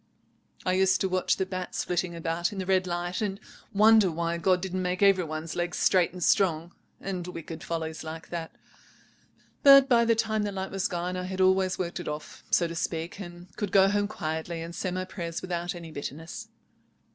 I used to watch the bats flitting about in the red light, and wonder why God didn't make every one's legs straight and strong, and wicked follies like that. But by the time the light was gone I had always worked it off, so to speak, and could go home quietly and say my prayers without any bitterness.